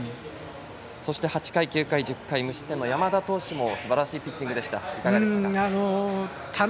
そして８回、９回、１０回と無失点の山田投手もすばらしいピッチングでした。